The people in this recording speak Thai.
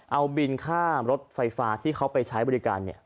เอาบินข้ามรถไฟฟ้าที่ไปใช้บริการเนี่ย